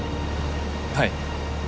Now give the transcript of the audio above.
はい。